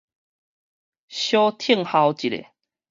小聽候一下